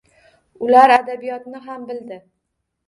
Ular adabiyotni ham bildi.